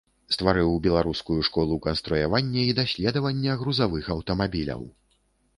Стварыў беларускую школу канструявання і даследавання грузавых аўтамабіляў.